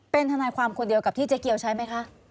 เป็นทนายความคนเดียวกับที่เจ๊เกียวใช้ไหมคะ